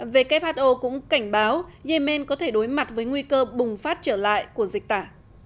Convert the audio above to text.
who cũng cảnh báo yemen có thể đối mặt với nguy cơ bùng phát trở lại của dịch tả